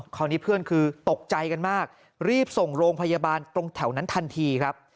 คราวนี้เพื่อนคือตกใจกันมากรีบส่งโรงพยาบาลตรงแถวนั้นทันทีครับ